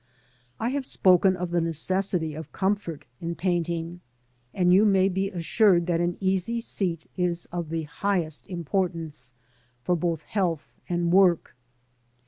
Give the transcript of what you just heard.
I have spoken of the necessity of comfort in painting, and you may be assured that an easy seat is of the highest importance for both health and work.